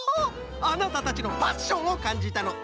あなたたちのパッションをかんじたの。